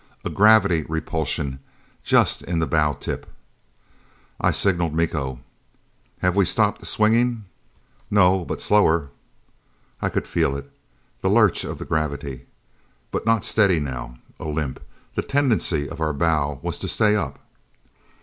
A gravity repulsion just in the bow tip. I signaled Miko. "Have we stopped swinging?" "No. But slower." I could feel it, that lurch of the gravity. But not steady now. A limp. The tendency of our bow was to stay up.